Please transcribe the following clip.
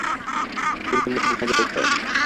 তিনি মদিনা জয় করেন।